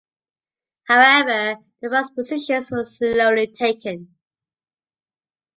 However, the various positions were slowly taken.